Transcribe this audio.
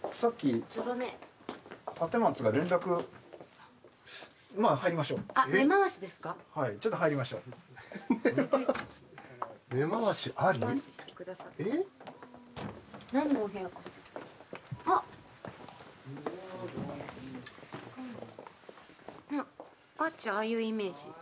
わっちああいうイメージ。